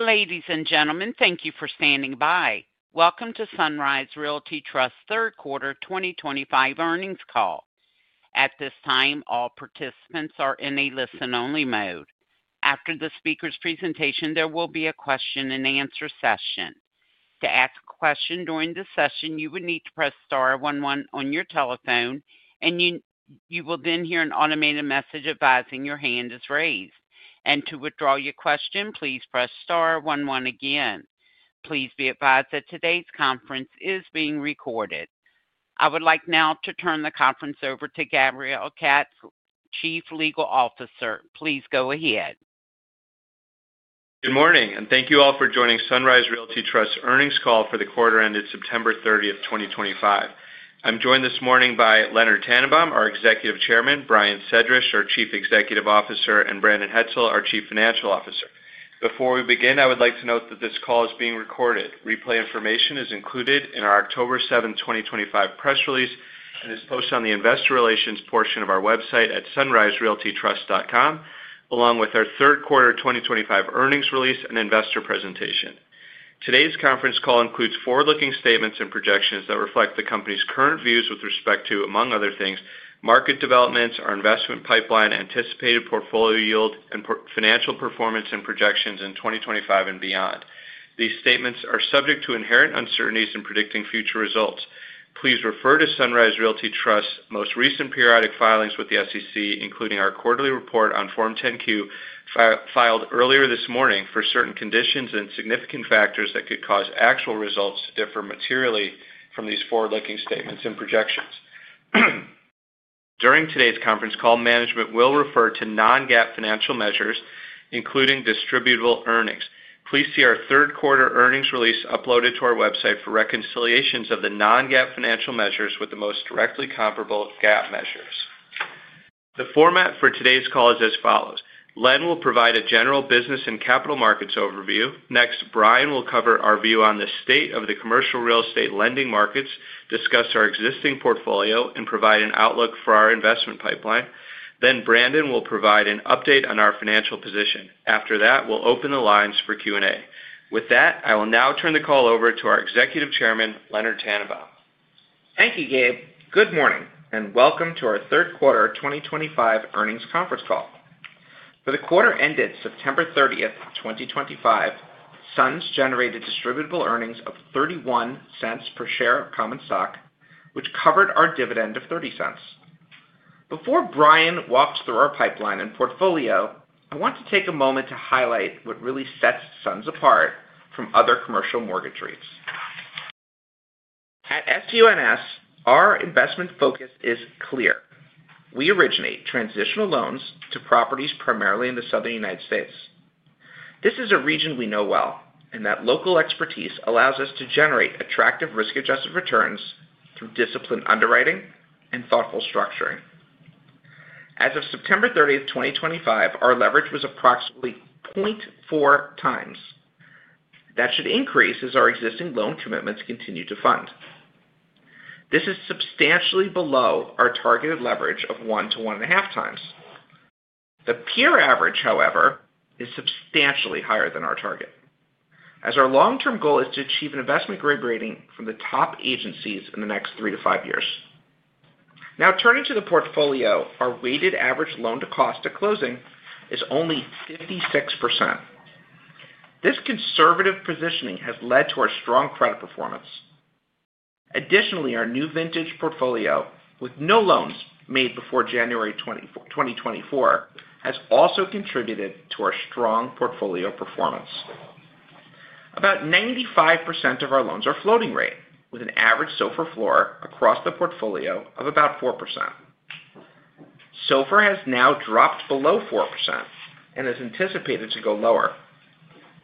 Ladies and gentlemen, thank you for standing by. Welcome to Sunrise Realty Trust's Third Quarter 2025 Earnings Call. At this time, all participants are in a listen-only mode. After the speaker's presentation, there will be a question-and-answer session. To ask a question during the session, you would need to press star one one on your telephone, and you will then hear an automated message advising your hand is raised. To withdraw your question, please press star one one again. Please be advised that today's conference is being recorded. I would like now to turn the conference over to Gabriel Katz, Chief Legal Officer. Please go ahead. Good morning, and thank you all for joining Sunrise Realty Trust's earnings call for the quarter ended September 30, 2025. I'm joined this morning by Leonard Tannenbaum, our Executive Chairman, Brian Sedrish, our Chief Executive Officer, and Brandon Hetzel, our Chief Financial Officer. Before we begin, I would like to note that this call is being recorded. Replay information is included in our October 7, 2025, press release and is posted on the Investor Relations portion of our website at sunriserealtytrust.com, along with our third quarter 2025 earnings release and investor presentation. Today's conference call includes forward-looking statements and projections that reflect the company's current views with respect to, among other things, market developments, our investment pipeline, anticipated portfolio yield, and financial performance and projections in 2025 and beyond. These statements are subject to inherent uncertainties in predicting future results. Please refer to Sunrise Realty Trust's most recent periodic filings with the SEC, including our quarterly report on Form 10-Q filed earlier this morning for certain conditions and significant factors that could cause actual results to differ materially from these forward-looking statements and projections. During today's conference call, management will refer to non-GAAP financial measures, including distributable earnings. Please see our third quarter earnings release uploaded to our website for reconciliations of the non-GAAP financial measures with the most directly comparable GAAP measures. The format for today's call is as follows. Len will provide a general business and capital markets overview. Next, Brian will cover our view on the state of the commercial real estate lending markets, discuss our existing portfolio, and provide an outlook for our investment pipeline. Brandon will provide an update on our financial position. After that, we'll open the lines for Q&A. With that, I will now turn the call over to our Executive Chairman, Leonard Tannenbaum. Thank you, Gabe. Good morning, and welcome to our Third Quarter 2025 Earnings Conference Call. For the quarter ended September 30, 2025, SUNS generated distributable earnings of $0.31 per share of common stock, which covered our dividend of $0.30. Before Brian walks through our pipeline and portfolio, I want to take a moment to highlight what really sets SUNS apart from other commercial mortgage REITs. At SUNS, our investment focus is clear. We originate transitional loans to properties primarily in the southern United States. This is a region we know well, and that local expertise allows us to generate attractive risk-adjusted returns through disciplined underwriting and thoughtful structuring. As of September 30, 2025, our leverage was approximately 0.4 times. That should increase as our existing loan commitments continue to fund. This is substantially below our targeted leverage of 1 to 1.5 times. The peer average, however, is substantially higher than our target, as our long-term goal is to achieve an investment-grade rating from the top agencies in the next three to five years. Now, turning to the portfolio, our weighted average loan-to-cost at closing is only 56%. This conservative positioning has led to our strong credit performance. Additionally, our new vintage portfolio, with no loans made before January 2024, has also contributed to our strong portfolio performance. About 95% of our loans are floating rate, with an average SOFR floor across the portfolio of about 4%. SOFR has now dropped below 4% and is anticipated to go lower.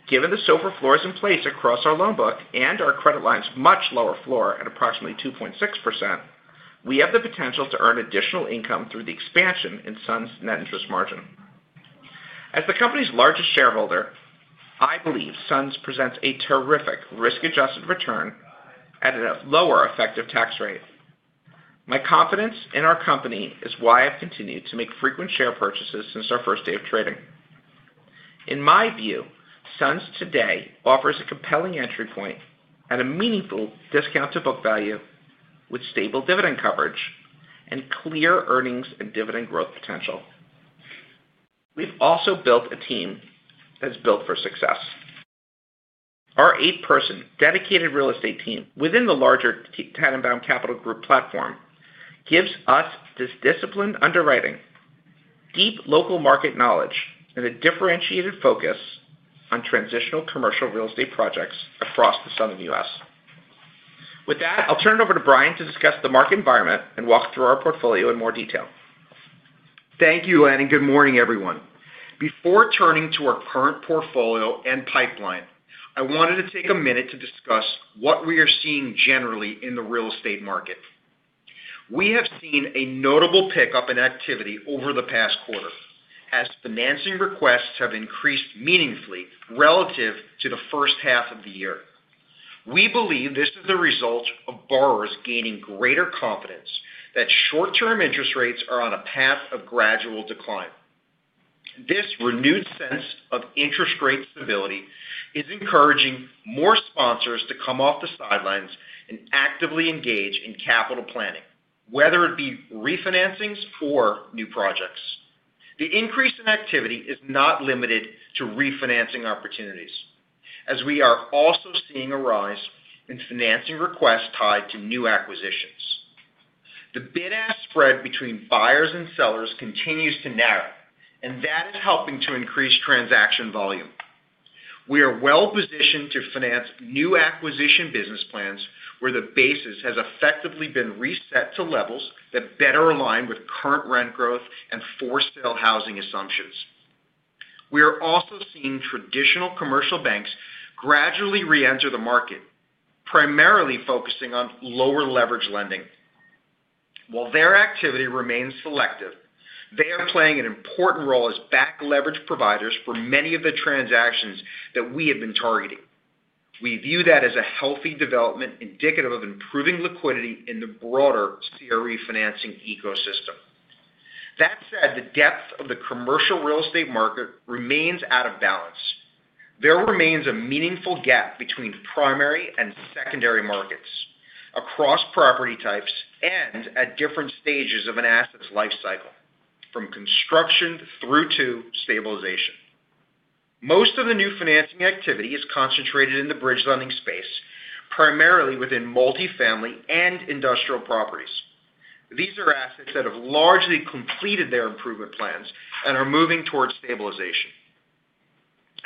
Given the SOFR floors in place across our loan book and our credit lines' much lower floor at approximately 2.6%, we have the potential to earn additional income through the expansion in Sunrise Realty Trust's net interest margin. As the company's largest shareholder, I believe SUNS presents a terrific risk-adjusted return at a lower effective tax rate. My confidence in our company is why I've continued to make frequent share purchases since our first day of trading. In my view, SUNS today offers a compelling entry point at a meaningful discount to book value, with stable dividend coverage and clear earnings and dividend growth potential. We've also built a team that's built for success. Our eight-person dedicated real estate team within the larger Tannenbaum Capital Group platform gives us this disciplined underwriting, deep local market knowledge, and a differentiated focus on transitional commercial real estate projects across the southern U.S. With that, I'll turn it over to Brian to discuss the market environment and walk through our portfolio in more detail. Thank you, Len, and good morning, everyone. Before turning to our current portfolio and pipeline, I wanted to take a minute to discuss what we are seeing generally in the real estate market. We have seen a notable pickup in activity over the past quarter as financing requests have increased meaningfully relative to the first half of the year. We believe this is the result of borrowers gaining greater confidence that short-term interest rates are on a path of gradual decline. This renewed sense of interest rate stability is encouraging more sponsors to come off the sidelines and actively engage in capital planning, whether it be refinancings or new projects. The increase in activity is not limited to refinancing opportunities, as we are also seeing a rise in financing requests tied to new acquisitions. The bid-ask spread between buyers and sellers continues to narrow, and that is helping to increase transaction volume. We are well-positioned to finance new acquisition business plans where the basis has effectively been reset to levels that better align with current rent growth and for-sale housing assumptions. We are also seeing traditional commercial banks gradually re-enter the market, primarily focusing on lower leverage lending. While their activity remains selective, they are playing an important role as back-leverage providers for many of the transactions that we have been targeting. We view that as a healthy development indicative of improving liquidity in the broader CRE financing ecosystem. That said, the depth of the commercial real estate market remains out of balance. There remains a meaningful gap between primary and secondary markets across property types and at different stages of an asset's life cycle, from construction through to stabilization. Most of the new financing activity is concentrated in the bridge lending space, primarily within multifamily and industrial properties. These are assets that have largely completed their improvement plans and are moving towards stabilization.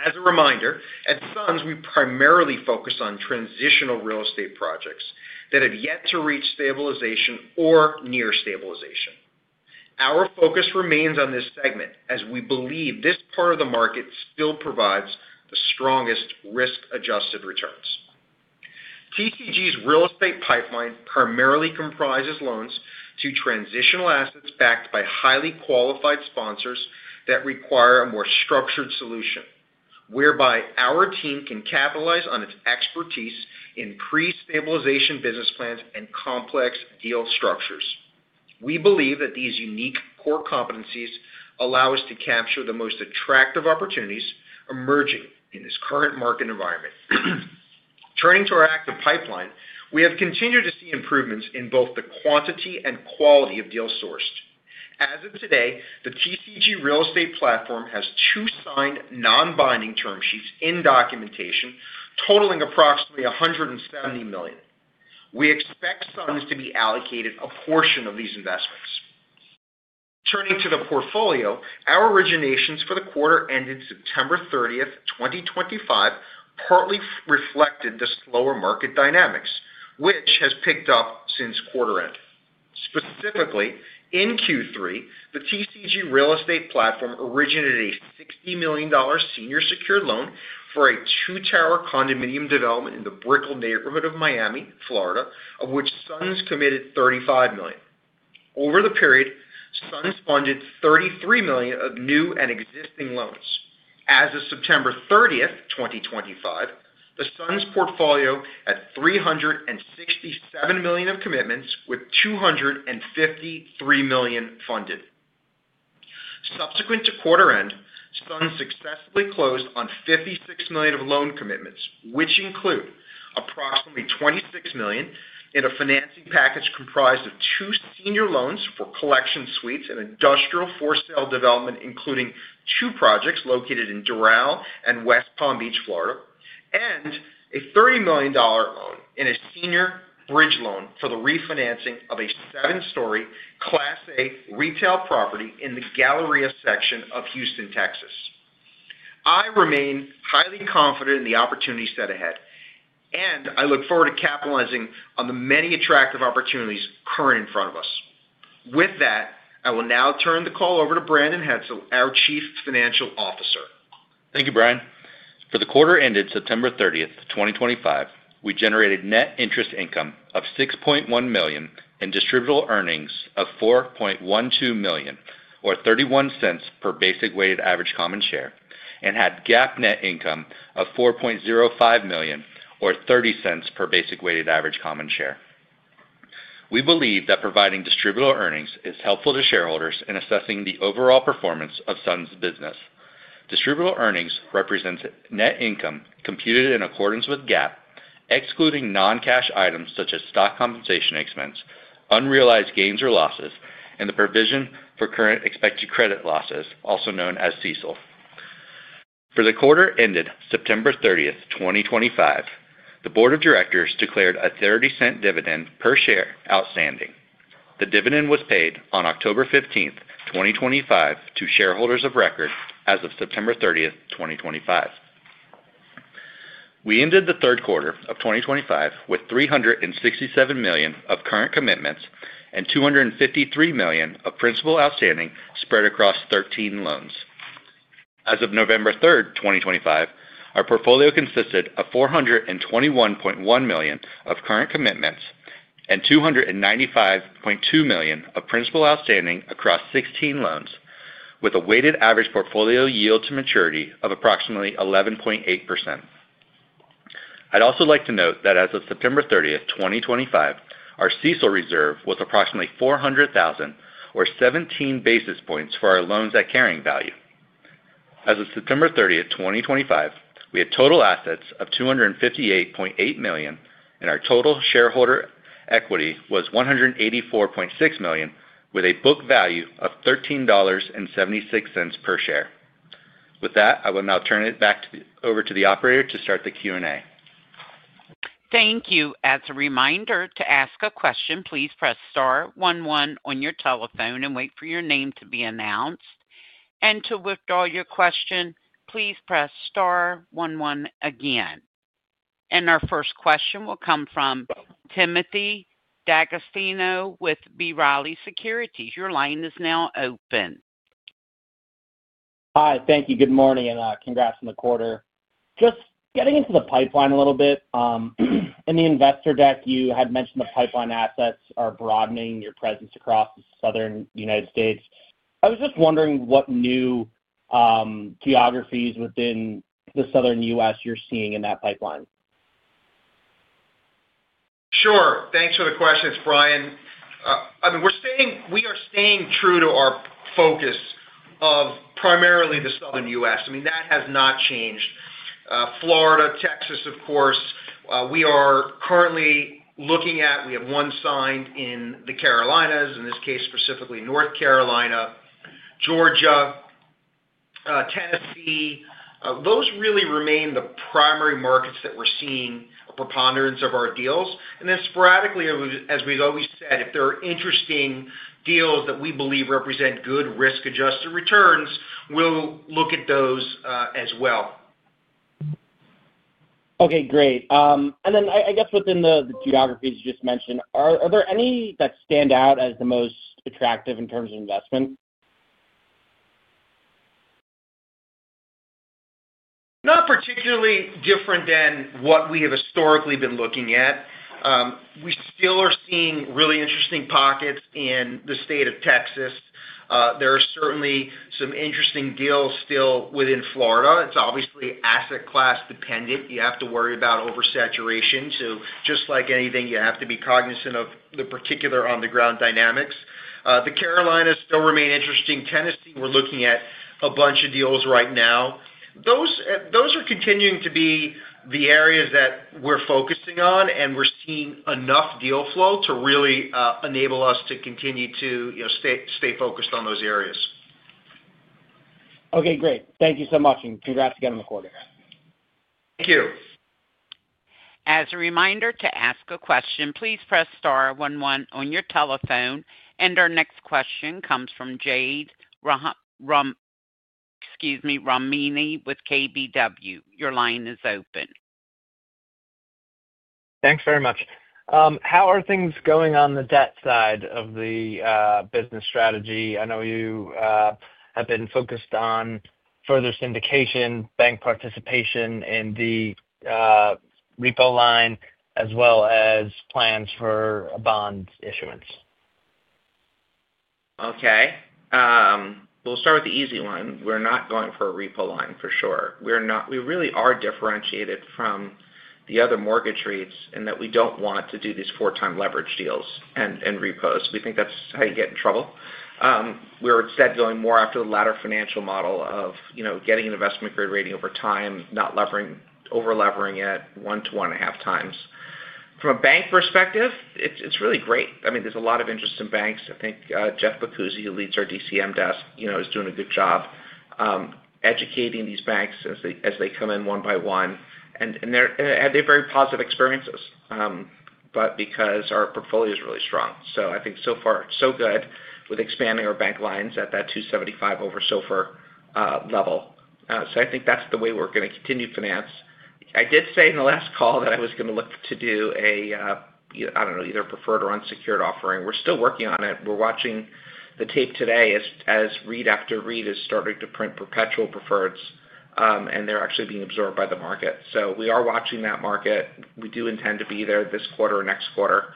As a reminder, at SUNS, we primarily focus on transitional real estate projects that have yet to reach stabilization or near stabilization. Our focus remains on this segment as we believe this part of the market still provides the strongest risk-adjusted returns. TCG's Real Estate pipeline primarily comprises loans to transitional assets backed by highly qualified sponsors that require a more structured solution, whereby our team can capitalize on its expertise in pre-stabilization business plans and complex deal structures. We believe that these unique core competencies allow us to capture the most attractive opportunities emerging in this current market environment. Turning to our active pipeline, we have continued to see improvements in both the quantity and quality of deals sourced. As of today, the Tannenbaum Capital Group real estate platform has two signed non-binding term sheets in documentation totaling approximately $170 million. We expect funds to be allocated a portion of these investments. Turning to the portfolio, our originations for the quarter ended September 30, 2025, partly reflected the slower market dynamics, which has picked up since quarter end. Specifically, in Q3, the Tannenbaum Capital Group real estate platform originated a $60 million senior secured loan for a two-tower condominium development in the Brickell neighborhood of Miami, Florida, of which SUNS committed $35 million. Over the period, SUNS funded $33 million of new and existing loans. As of September 30, 2025, the SUNS portfolio had $367 million of commitments, with $253 million funded. Subsequent to quarter end, Sunrise successfully closed on $56 million of loan commitments, which include approximately $26 million in a financing package comprised of two senior loans for collection suites and industrial for-sale development, including two projects located in Doral and West Palm Beach, Florida, and a $30 million loan in a senior bridge loan for the refinancing of a seven-story Class A retail property in the Galleria section of Houston, Texas. I remain highly confident in the opportunities set ahead, and I look forward to capitalizing on the many attractive opportunities current in front of us. With that, I will now turn the call over to Brandon Hetzel, our Chief Financial Officer. Thank you, Brian. For the quarter ended September 30, 2025, we generated net interest income of $6.1 million and distributable earnings of $4.12 million, or $0.31 per basic weighted average common share, and had GAAP net income of $4.05 million, or $0.30 per basic weighted average common share. We believe that providing distributable earnings is helpful to shareholders in assessing the overall performance of SUNS' business. Distributable earnings represents net income computed in accordance with GAAP, excluding non-cash items such as stock compensation expense, unrealized gains or losses, and the provision for current expected credit losses, also known as CECL. For the quarter ended September 30, 2025, the board of directors declared a $0.30 dividend per share outstanding. The dividend was paid on October 15th, 2025, to shareholders of record as of September 30th, 2025. We ended the third quarter of 2025 with $367 million of current commitments and $253 million of principal outstanding spread across 13 loans. As of November 3rd, 2025, our portfolio consisted of $421.1 million of current commitments and $295.2 million of principal outstanding across 16 loans, with a weighted average portfolio yield to maturity of approximately 11.8%. I'd also like to note that as of September 30th, 2025, our CECL reserve was approximately $400,000, or 17 basis points for our loans at carrying value. As of September 30th, 2025, we had total assets of $258.8 million, and our total shareholder equity was $184.6 million, with a book value of $13.76 per share. With that, I will now turn it back over to the operator to start the Q&A. Thank you. As a reminder, to ask a question, please press star one one on your telephone and wait for your name to be announced. To withdraw your question, please press star one one again. Our first question will come from Timothy D'Agostino with B. Riley Securities. Your line is now open. Hi, thank you. Good morning, and congrats on the quarter. Just getting into the pipeline a little bit, in the investor deck, you had mentioned the pipeline assets are broadening your presence across the southern United States. I was just wondering what new geographies within the southern U.S. you're seeing in that pipeline. Sure. Thanks for the questions, Brian. I mean, we are staying true to our focus of primarily the southern U.S. I mean, that has not changed. Florida, Texas, of course, we are currently looking at. We have one signed in the Carolinas, in this case, specifically North Carolina, Georgia, Tennessee. Those really remain the primary markets that we're seeing a preponderance of our deals. Then sporadically, as we've always said, if there are interesting deals that we believe represent good risk-adjusted returns, we'll look at those as well. Okay, great. I guess within the geographies you just mentioned, are there any that stand out as the most attractive in terms of investment? Not particularly different than what we have historically been looking at. We still are seeing really interesting pockets in the state of Texas. There are certainly some interesting deals still within Florida. It is obviously asset class dependent. You have to worry about oversaturation. Just like anything, you have to be cognizant of the particular on-the-ground dynamics. The Carolinas still remain interesting. Tennessee, we are looking at a bunch of deals right now. Those are continuing to be the areas that we are focusing on, and we are seeing enough deal flow to really enable us to continue to stay focused on those areas. Okay, great. Thank you so much, and congrats again on the quarter. Thank you. As a reminder to ask a question, please press star one one on your telephone. Our next question comes from Jade Rahmani with KBW. Your line is open. Thanks very much. How are things going on the debt side of the business strategy? I know you have been focused on further syndication, bank participation in the repo line, as well as plans for bond issuance. Okay. We'll start with the easy one. We're not going for a repo line, for sure. We really are differentiated from the other mortgage rates in that we don't want to do these four-time leverage deals and repos. We think that's how you get in trouble. We're instead going more after the latter financial model of getting an investment-grade rating over time, not over-levering it one to one and a half times. From a bank perspective, it's really great. I mean, there's a lot of interest in banks. I think Jeff Boccuzzi, who leads our DCM desk, is doing a good job educating these banks as they come in one by one. They have very positive experiences, because our portfolio is really strong. I think so far, so good with expanding our bank lines at that $275 over so far level. I think that's the way we're going to continue to finance. I did say in the last call that I was going to look to do a, I don't know, either preferred or unsecured offering. We're still working on it. We're watching the tape today as REIT after REIT is starting to print perpetual preferreds, and they're actually being absorbed by the market. We are watching that market. We do intend to be there this quarter or next quarter,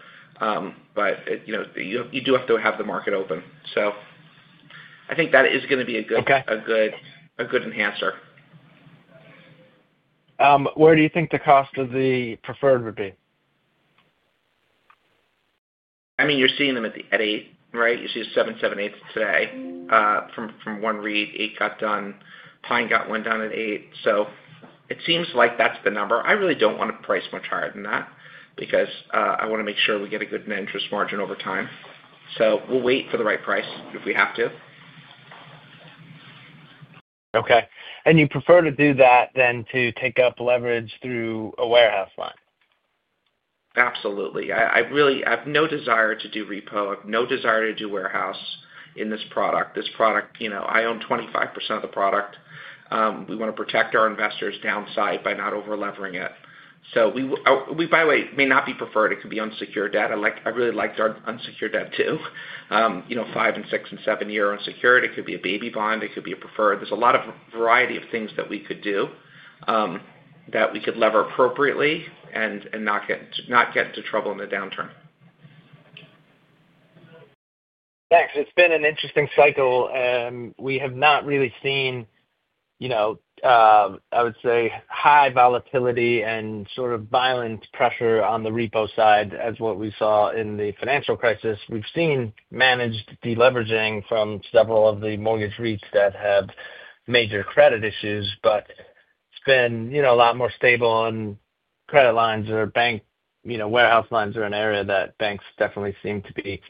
but you do have to have the market open. I think that is going to be a good enhancer. Where do you think the cost of the preferred would be? I mean, you're seeing them at eight, right? You see seven, seven, eight today. From one REIT, eight got done. Pine got one done at eight. So it seems like that's the number. I really don't want to price much higher than that because I want to make sure we get a good interest margin over time. So we'll wait for the right price if we have to. Okay. You prefer to do that then to take up leverage through a warehouse line? Absolutely. I have no desire to do repo. I have no desire to do warehouse in this product. I own 25% of the product. We want to protect our investors' downside by not over-levering it. We, by the way, may not be preferred. It could be unsecured debt. I really liked our unsecured debt too. Five and six and seven-year unsecured. It could be a baby bond. It could be a preferred. There is a lot of variety of things that we could do that we could lever appropriately and not get into trouble in the downturn. Thanks. It's been an interesting cycle. We have not really seen, I would say, high volatility and sort of violent pressure on the repo side as what we saw in the financial crisis. We've seen managed deleveraging from several of the mortgage REITs that have major credit issues, but it's been a lot more stable on credit lines or warehouse lines are an area that banks definitely seem to be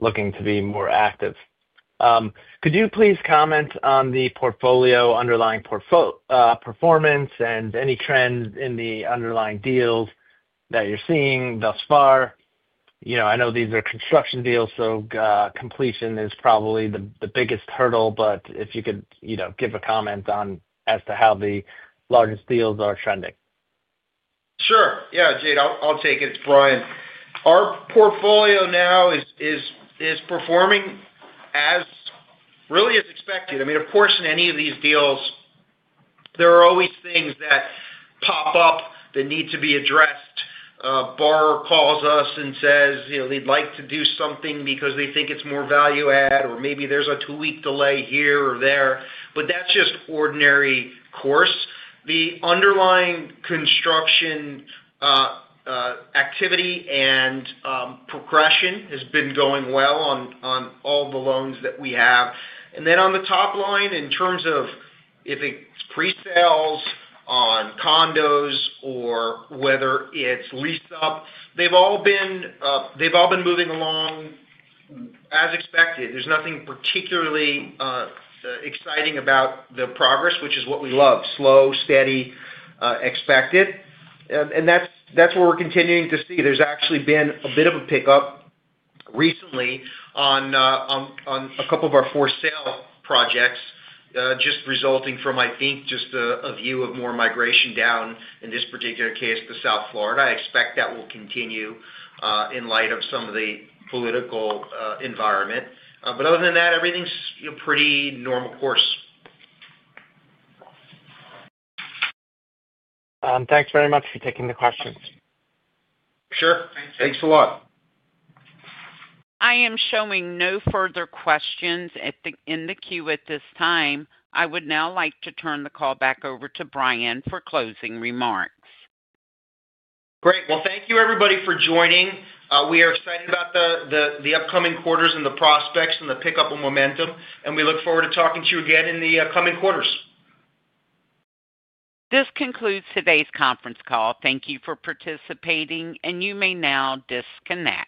looking to be more active. Could you please comment on the portfolio underlying performance and any trends in the underlying deals that you're seeing thus far? I know these are construction deals, so completion is probably the biggest hurdle, but if you could give a comment as to how the largest deals are trending. Sure. Yeah, Jade, I'll take it. Brian, our portfolio now is performing really as expected. I mean, of course, in any of these deals, there are always things that pop up that need to be addressed. A borrower calls us and says they'd like to do something because they think it's more value-add, or maybe there's a two-week delay here or there, but that's just ordinary course. The underlying construction activity and progression has been going well on all the loans that we have. On the top line, in terms of if it's pre-sales on condos or whether it's lease-up, they've all been moving along as expected. There's nothing particularly exciting about the progress, which is what we love: slow, steady, expected. That's what we're continuing to see. There's actually been a bit of a pickup recently on a couple of our for-sale projects, just resulting from, I think, just a view of more migration down, in this particular case, to South Florida. I expect that will continue in light of some of the political environment. Other than that, everything's pretty normal course. Thanks very much for taking the questions. Sure. Thanks a lot. I am showing no further questions in the queue at this time. I would now like to turn the call back over to Brian for closing remarks. Great. Thank you, everybody, for joining. We are excited about the upcoming quarters and the prospects and the pickup of momentum, and we look forward to talking to you again in the coming quarters. This concludes today's conference call. Thank you for participating, and you may now disconnect.